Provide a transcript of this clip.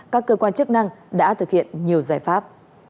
các cơ quan chức năng đã thực hiện nhiều giải pháp